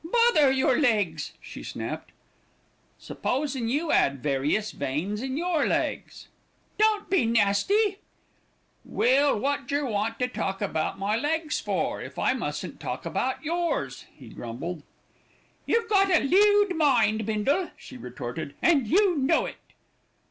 "Bother your legs," she snapped. "Supposin' you 'ad various veins in your legs." "Don't be nasty." "Well, wot jer want to talk about my legs for, if I mustn't talk about yours," he grumbled. "You've got a lewd mind, Bindle," she retorted, "and you know it."